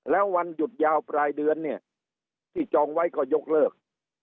แล้ววันหยุดยาวปลายเดือนเนี่ยที่จองไว้ก็ยกเลิก